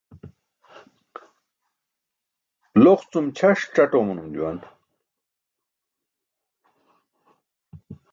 Loq cum ćʰas caṭ oomanum juwan.